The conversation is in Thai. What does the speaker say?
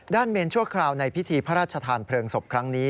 เมนชั่วคราวในพิธีพระราชทานเพลิงศพครั้งนี้